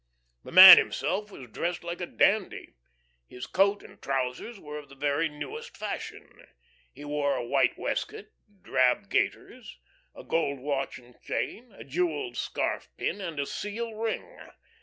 The man himself was dressed like a dandy. His coat and trousers were of the very newest fashion. He wore a white waistcoat, drab gaiters, a gold watch and chain, a jewelled scarf pin, and a seal ring.